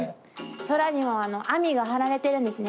空にも網が張られてるんですね。